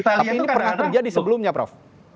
tapi ini pernah terjadi sebelumnya prof